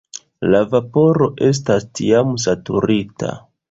La vaporo estas tiam "saturita".